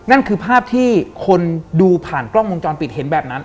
นั่นคือภาพที่คนดูผ่านกล้องวงจรปิดเห็นแบบนั้น